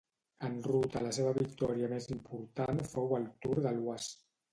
En ruta la seva victòria més important fou al Tour de l'Oise.